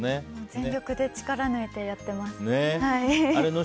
全力で力を抜いてやってます。